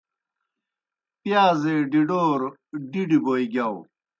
پِیازے ڈِڈَوروْ ڈِڈیْ بوئے گِیاؤ۔